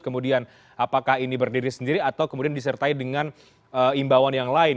kemudian apakah ini berdiri sendiri atau kemudian disertai dengan imbauan yang lain